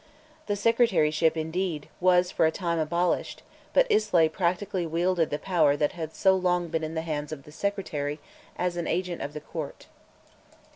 The Secretaryship, indeed, was for a time abolished, but Islay practically wielded the power that had so long been in the hands of the Secretary as agent of the Court.